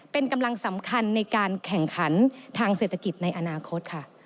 เป็นกำลังสำคัญในการแข่งขันทางเศรษฐกิจในอนาคตค่ะ